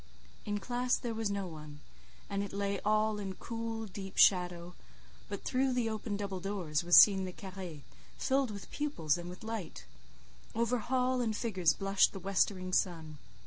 In classe there was no one, and it lay all in cool deep shadow; but through the open double doors was seen the carré, filled with pupils and with light; over hall and figures blushed the westering sun.